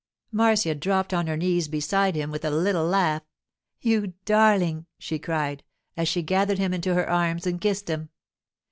_' Marcia dropped on her knees beside him with a little laugh. 'You darling!' she cried as she gathered him into her arms and kissed him.